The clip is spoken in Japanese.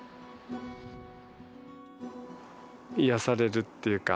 癒やされるっていうか